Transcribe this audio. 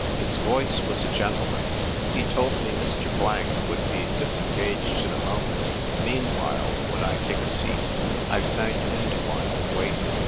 His voice was a gentle man's. He told me Mr. Blank would be dis engaged in a moment; meanwhile, would I take a seat ? I sank into one and waited.